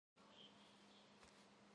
Cecêym cedır yêğesejj.